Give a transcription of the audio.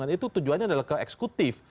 itu tujuannya adalah ke eksekutif